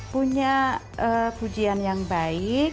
punya pujian yang baik